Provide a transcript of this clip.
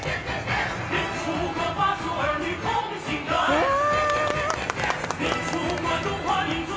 うわ。